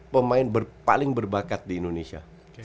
pemain paling berbakat di indonesia